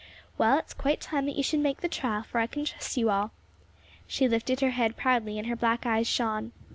"Well, it's quite time that you should make the trial, for I can trust you all." She lifted her head proudly and her black eyes shone.